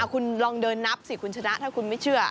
คุณลองเดินนับสิคุณชนะถ้าคุณไม่เชื่อ